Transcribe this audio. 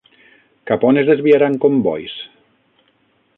Cap on es desviaran combois?